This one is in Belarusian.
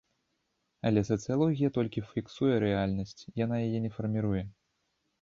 Але сацыялогія толькі фіксуе рэальнасць, яна яе не фарміруе.